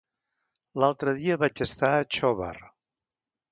L'altre dia vaig estar a Xóvar.